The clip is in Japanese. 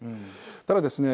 ただですね